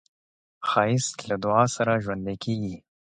ښایست له دعا سره ژوندی کېږي